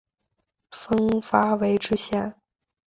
分发为知县。